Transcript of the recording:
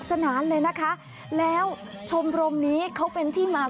จ้าบ๊าวโอ้โฮโอ้โฮโอ้โฮ